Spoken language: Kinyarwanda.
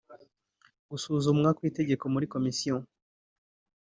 gusuzumwa kw’itegeko muri komisiyo